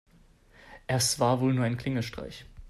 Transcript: Es war wohl nur ein Klingelstreich.